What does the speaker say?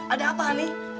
ada apa hani